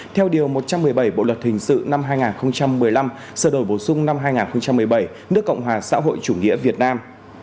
theo điều một trăm một mươi bảy bộ luật hình sự năm hai nghìn một mươi năm sở đổi bổ sung năm hai nghìn một mươi bảy nước cộng hòa xã hội chủ nghĩa việt nam